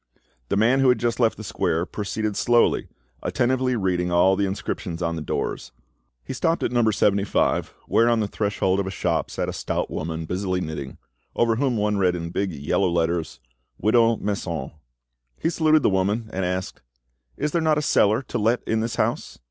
The man who had just left the square proceeded slowly, attentively reading all the inscriptions on the doors. He stopped at Number 75, where on the threshold of a shop sat a stout woman busily knitting, over whom one read in big yellow letters, "Widow Masson." He saluted the woman, and asked— "Is there not a cellar to let in this house?"